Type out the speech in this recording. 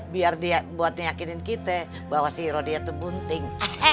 biar dia buat nyakinin kita bahwa siro dia tuh bunting